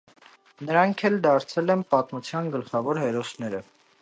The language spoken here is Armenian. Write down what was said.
Նրանք էլ դարձել են պատմության գլխավոր հերոսները։